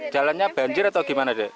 jalannya banjir atau gimana